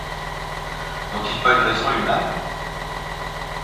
N'ont-ils pas une raison et une âme?